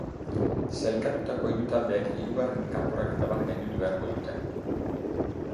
Sailkatutako hiru taldeek hirugarren kanporaketa bat gainditu beharko dute.